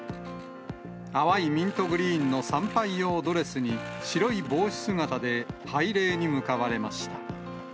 淡いミントグリーンの参拝用ドレスに白い帽子姿で、拝礼に向かわれました。